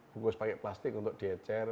bungkus pakai plastik untuk diecer